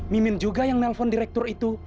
mimin juga yang nelfon direktur itu